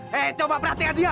hei coba perhatikan dia